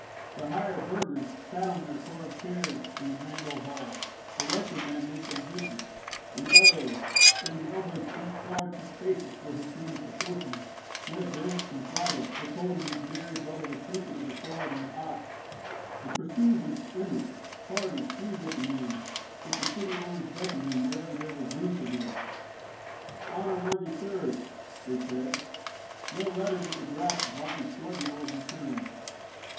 The higher burghers sat on their carved chairs in the grand old hall, the lesser magnates on benches, and Ebbo, in an elbowed seat far too spacious for his slender proportions, met a glance from Friedel that told him his merry brother was thinking of the frog and the ox. The pursuivants entered—hardy, shrewd looking men, with the city arms decking them wherever there was room for them. "Honour worthy sirs," they said, "no letter did the Graf von Schlangenwald return."